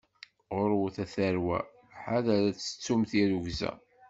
Ɣurwet a tarwa, ḥader ad tettum tirrugza.